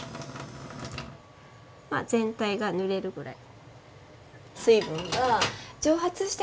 全体がぬれるぐらい。